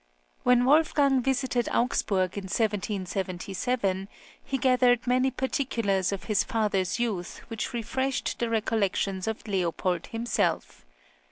When Wolfgang visited Augsburg in 1777, he gathered many particulars of his father's youth which refreshed the recollections of Leopold himself.